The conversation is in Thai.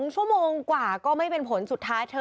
ชั่วโมงกว่าก็ไม่เป็นผลสุดท้ายเธอ